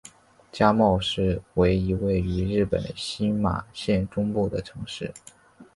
加茂市为一位于日本新舄县中部的城市。